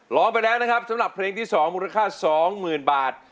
ร้องไปแล้วนะครับสำหรับเพลงที่๒มูลค่า๒๐๐๐บาท